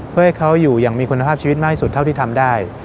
เพื่อให้เขาอยู่อย่างมีคุณภาพชีวิตมากที่สุดเท่าที่ทำได้